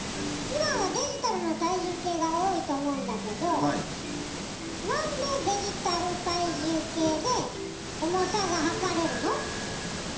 今はデジタルの体重計が多いと思うんだけどなんでデジタル体重計で重さがはかれるの？